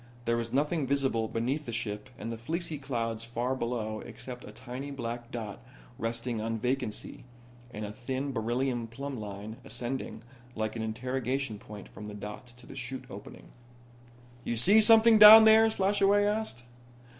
There was nothing visible between the ship and the fleecy clouds far below except a tiny black dot resting on vacancy and a thin beryllium plumb line ascending like an interrogation point from the dot to the 'chute opening. "You see something down there?" Slashaway asked.